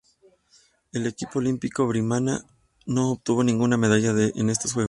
El equipo olímpico birmano no obtuvo ninguna medalla en estos Juegos.